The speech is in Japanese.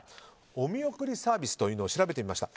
お見送りサービスというのを調べてみました。